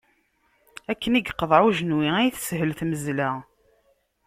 Akken iqḍeɛ ujenwi, ay teshel tmezla.